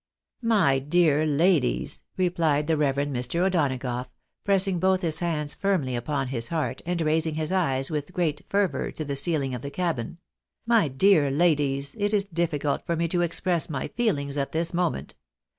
" My dear ladies," replied the Rev. Mr. O'Donagough, pressing both his hands firmly upon his heart, and raising his eyes with great fervour to the ceiling of the cabin, " my dear ladies, it is difficult for me to express my feelings at this moment